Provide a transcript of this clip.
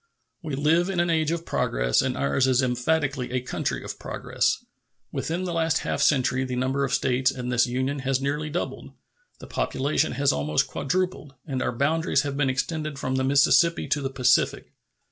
We live in an age of progress, and ours is emphatically a country of progress. Within the last half century the number of States in this Union has nearly doubled, the population has almost quadrupled, and our boundaries have been extended from the Mississippi to the Pacific.